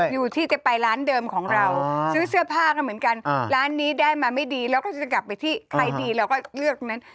เราก็จะเลือกเท่านั้น